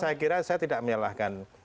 saya kira saya tidak menyalahkan